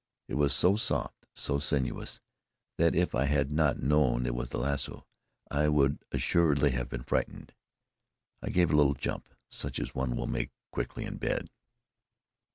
It was so soft, so sinuous, that if I had not known it was the lasso, I would assuredly have been frightened. I gave a little jump, such as one will make quickly in bed.